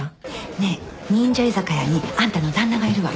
ねえ忍者居酒屋にあんたの旦那がいるわよ。